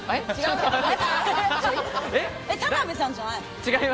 田辺さんじゃないの？